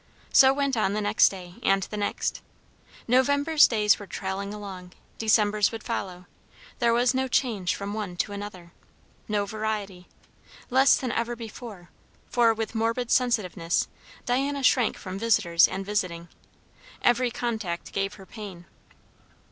So went on the next day, and the next. November's days were trailing along, December's would follow; there was no change from one to another; no variety. Less than ever before; for, with morbid sensitiveness, Diana shrank from visitors and visiting. Every contact gave her pain.